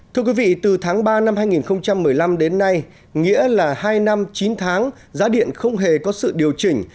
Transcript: thưa quý vị từ tháng ba năm hai nghìn một mươi năm đến nay nghĩa là hai năm chín tháng giá điện không hề có sự điều chỉnh